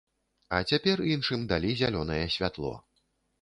А цяпер іншым далі зялёнае святло.